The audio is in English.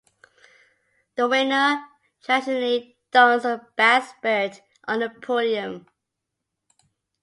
The winner traditionally dons a basque beret on the podium.